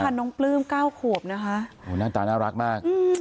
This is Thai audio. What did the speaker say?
น้องปลื้มเก้าขวบนะคะโอ้โหหน้าตาน่ารักมากอืม